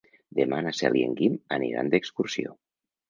Demà na Cel i en Guim aniran d'excursió.